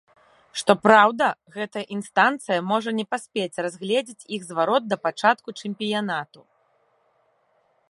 Што праўда, гэтая інстанцыя можа не паспець разгледзець іх зварот да пачатку чэмпіянату.